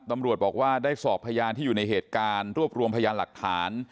ตำรวจบอกว่าได้สอบพยานที่อยู่ในเหตุการณ์รวบรวมพยานหลักฐาน